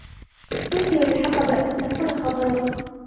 يمكن للحصبة أن تكون خطيرةً.